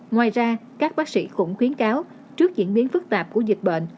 ngoài ra các bác sĩ cũng khuyến cáo trước diễn biến phức tạp của dịch bệnh